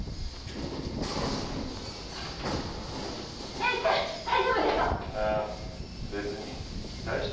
・先生大丈夫でした？